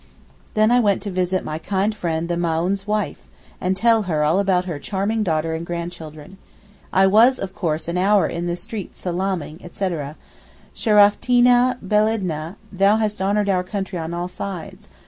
Then I went to visit my kind friend the Maōhn's wife, and tell her all about her charming daughter and grandchildren. I was, of course, an hour in the streets salaaming, etc. 'Sheerafteenee Beledna, thou hast honoured our country on all sides.